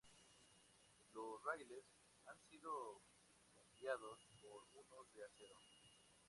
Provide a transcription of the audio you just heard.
Los raíles han sido cambiados por unos de acero.